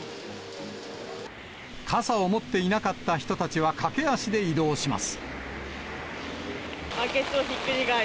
傘を持っていなかった人たちは駆け足で移動します。